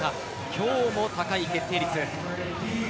今日も高い決定率。